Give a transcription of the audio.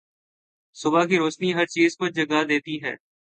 صبح کی روشنی ہر چیز کو جگا دیتی ہے۔